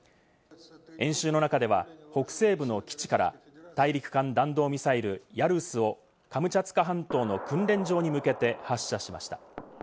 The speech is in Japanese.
演習の中では、北西部の基地から大陸間弾道ミサイル「ヤルス」をカムチャツカ半島の訓練場に向けて発射しました。